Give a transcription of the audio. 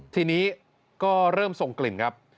ทีนี้ก็เริ่มทรงกลิ่นครับ